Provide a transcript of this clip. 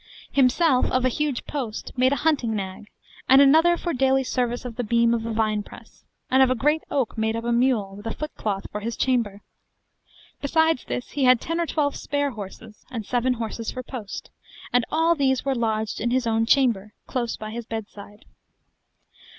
Himself of a huge big post made a hunting nag, and another for daily service of the beam of a vinepress: and of a great oak made up a mule, with a footcloth, for his chamber. Besides this, he had ten or twelve spare horses, and seven horses for post; and all these were lodged in his own chamber, close by his bedside.